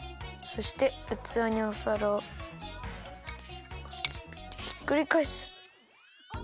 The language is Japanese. そしてうつわにおさらをかぶせてひっくりかえす。